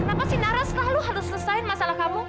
kenapa sih nara selalu harus selesaiin masalah kamu